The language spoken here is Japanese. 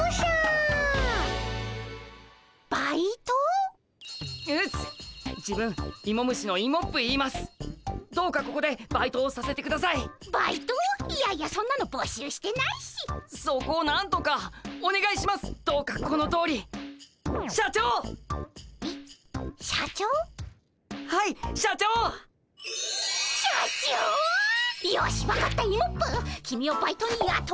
よし分かったイモップ君をバイトにやとおうじゃないか。